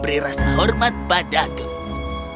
ketika saya minggir otot warung ada di dungonya